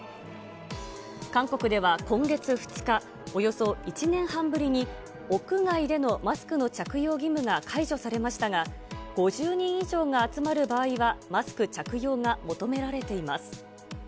韓国では今月２日、およそ１年半ぶりに、屋外でのマスクの着用義務が解除されましたが、５０人以上が集まる場合は、マスク着用が求められています。